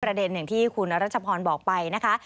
ประเด็นอย่างที่คุณรัฐชพรบอกไปนะคะ